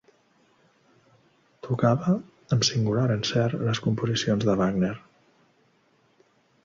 Tocava amb singular encert les composicions de Wagner.